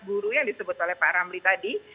guru yang disebut oleh pak ramli tadi